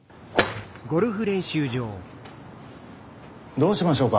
どうしましょうか？